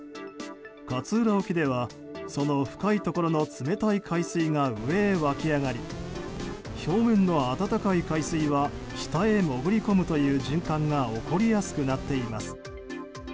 勝浦沖ではその深いところの冷たい海水が上へ湧き上がり表面の温かい海水は下へ潜り込むという循環が起こりやすくなっています。